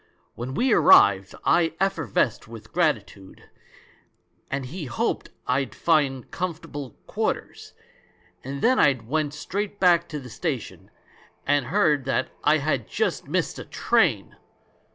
When we arrived I effervesced with gratitude, and he hoped I'd find comfortable quarters; and then I went straight back to the station — and heard that I had just missed a train!